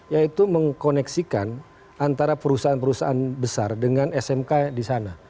yaitu mengkoneksikan antara perusahaan perusahaan besar dengan smk di sana